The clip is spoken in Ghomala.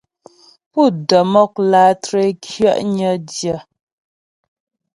Pú də́ mɔk lǎtré kyɛ'nyə dyə.